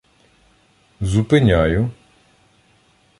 Зупиняю: